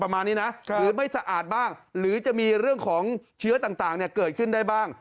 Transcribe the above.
ประมาณนี้นะหรือไม่สะอาดบ้างหรือจะมีเรื่องของเชื้อต่างเกิดขึ้นได้บ้าง